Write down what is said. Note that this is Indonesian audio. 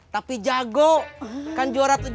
tapi jago kan juara tujuh belas an antar rt